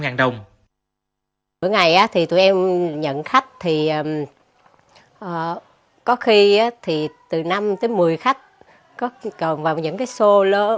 ngày hôm nay thì tụi em nhận khách thì có khi thì từ năm tới mười khách còn vào những cái show lớn